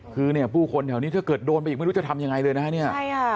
คือเนี่ยผู้คนแถวนี้ถ้าเกิดโดนไปอีกไม่รู้จะทำยังไงเลยนะฮะเนี่ย